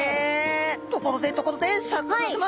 ところでところでシャーク香音さま。